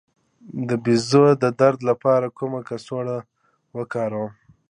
د بیضو د درد لپاره کومه کڅوړه وکاروم؟